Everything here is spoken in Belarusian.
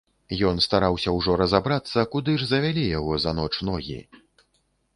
Ён стараўся ўжо разабрацца, куды ж завялі яго за ноч ногі?